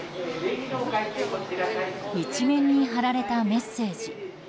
一面に貼られたメッセージ。